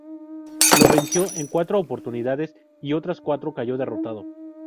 Lo venció en cuatro oportunidades y otras cuatro cayó derrotado.